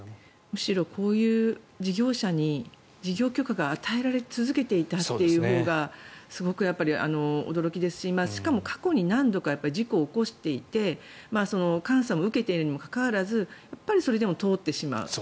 むしろ、こういう事業者に事業許可が与えられ続けていたほうがすごく驚きですししかも過去に何度か事故を起こしていて監査も受けているにもかかわらずやっぱりそれでも通ってしまう。